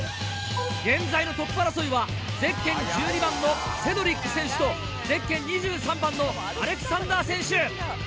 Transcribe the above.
現在のトップ争いはゼッケン１２番のセドリック選手とゼッケン２３番のアレクサンダー選手。